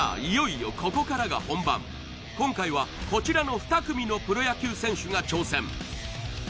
いよいよここからが本番今回はこちらの２組のプロ野球選手が挑戦